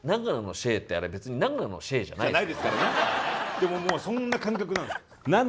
でももうそんな感覚なんです。